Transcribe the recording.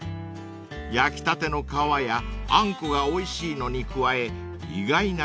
［焼きたての皮やあんこがおいしいのに加え意外な隠し味が］